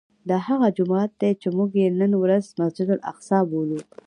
دا هغه جومات دی چې موږ یې نن ورځ مسجد الاقصی بولو.